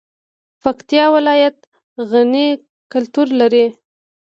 پکتیا ولایت غني کلتور لري